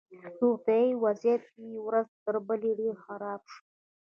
روغتیایي وضعیت یې ورځ تر بلې ډېر خراب شو